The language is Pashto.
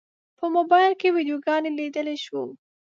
په موبایل کې ویډیوګانې لیدلی شو.